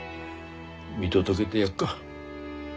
見届げでやっか。